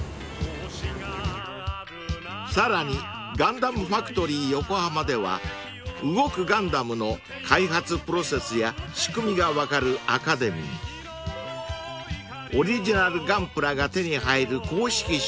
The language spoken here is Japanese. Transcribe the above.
［さらにＧＵＮＤＡＭＦＡＣＴＯＲＹＹＯＫＯＨＡＭＡでは動くガンダムの開発プロセスや仕組みが分かるアカデミーオリジナルガンプラが手に入る公式ショップ